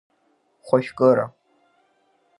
Хәажәкыра.